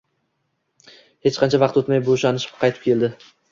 hech qancha vaqt o‘tmay bo‘shashib qaytib keldi